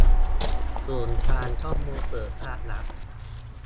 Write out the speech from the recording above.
ศูนย์กลางข้อมูลเปิดภาครัฐ